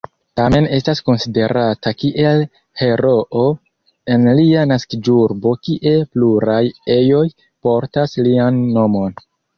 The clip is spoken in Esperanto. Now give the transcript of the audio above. Tamen estas konsiderata kiel heroo en lia naskiĝurbo kie pluraj ejoj portas lian nomon.